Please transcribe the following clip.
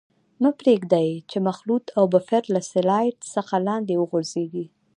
مه پرېږدئ چې مخلوط او بفر له سلایډ څخه لاندې وغورځيږي.